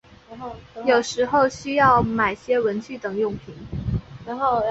有时候需要买些文具等用品